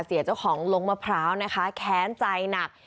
เสียเจ้าของลงมะพร้าวนะคะแค้นใจหนัก